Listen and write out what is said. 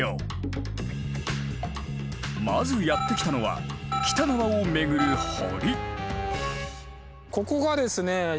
まずやって来たのは北側を巡る堀。